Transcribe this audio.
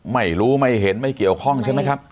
ไม่รู้ไม่เห็นไม่เกี่ยวข้องใช่ไหมครับ